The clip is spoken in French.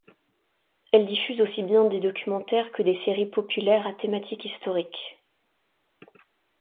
Elle diffuse aussi bien des documentaires que des séries populaires à thématique historiques.